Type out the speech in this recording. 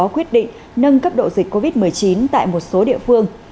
quyết định nâng cấp độ dịch covid một mươi chín tại một số địa phương